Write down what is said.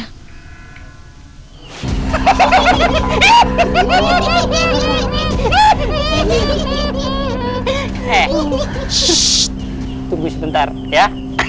eh shhh tunggu sebentar ya